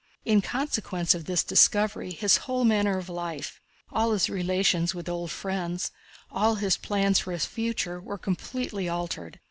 In consequence of this discovery his whole manner of life, all his relations with old friends, all his plans for his future, were completely altered.